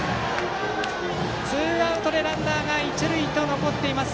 ツーアウトでランナーが一塁に残っています。